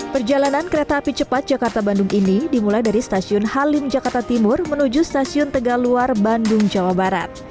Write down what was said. perjalanan kereta api cepat jakarta bandung ini dimulai dari stasiun halim jakarta timur menuju stasiun tegaluar bandung jawa barat